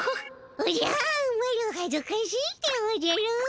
おじゃマロはじゅかしいでおじゃる。